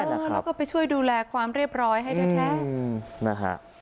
แล้วก็ไปช่วยดูแลความเรียบร้อยให้แท้นะฮะ